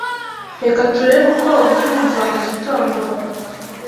Reka turebe uko ubyumva mugitondo.